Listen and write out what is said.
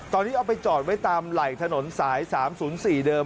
ตอนนี้เอาไปจอดไว้ตามไหล่ถนนสาย๓๐๔เดิม